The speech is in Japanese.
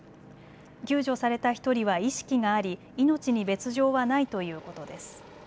救助された１人は意識があり、命に別状はないということです。